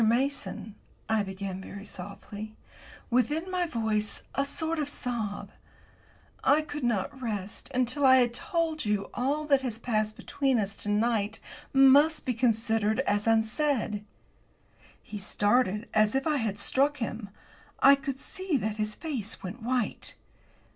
Mason," I began very softly, with, in my voice, a sort of sob, "I could not rest until I had told you all that has passed between us to night must be considered as unsaid." He started as if I had struck him. I could see that his face went white.